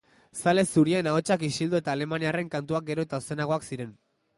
Zale zurien ahotsak isildu eta alemaniarren kantuak gero eta ozenagoak ziren.